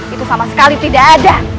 itu sama sekali tidak ada